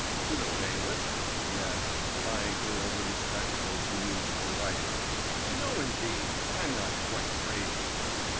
"To the bailiff?" he asked, eyeing her over the spectacles he used for writing. "No, indeed; I'm not quite crazy!"